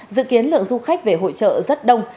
dự kiến lượng du khách về hội trợ rất đông